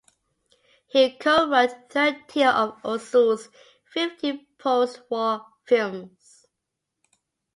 He co-wrote thirteen of Ozu's fifteen postwar films.